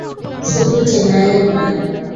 শুধু চেন্নাইয়েই নয়।